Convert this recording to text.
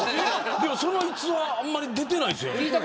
でも、その話あんまり出てないですね。